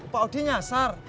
pak odi nyasar